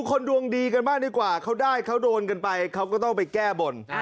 คนดวงดีกันบ้างดีกว่าเขาได้เขาโดนกันไปเขาก็ต้องไปแก้บน